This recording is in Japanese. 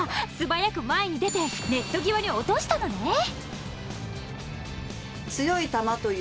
素早く前に出てネット際に落としたのね。